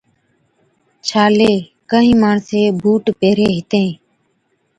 ڇالي (Corns) ڪهِين ماڻسين بُوٽ پيهرين هِتين،